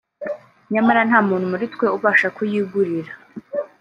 nyamara nta muntu muri twe ubasha kuyigurira”